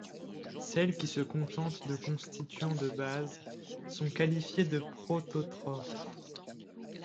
Celles qui se contentent de constituants de bases sont qualifiées de prototrophes.